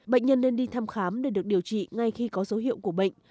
bệnh nhân nên đi thăm khám để được điều trị ngay khi có dấu hiệu của bệnh